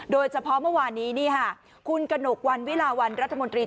โดยเฉพาะเมื่อวานนี้คุณกระหนกวันวิลาวันรัฐมนตรี